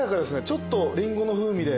ちょっとリンゴの風味で。